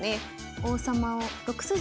王様を６筋に。